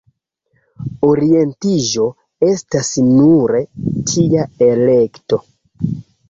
Orientiĝo estas nure tia elekto.